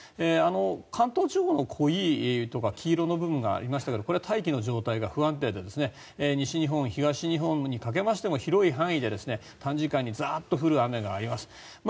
関東地方の濃いところとか黄色い部分がありましたがこれは大気の状態が不安定で西日本、東日本にかけても広い範囲で短時間にザッと降る雨があります。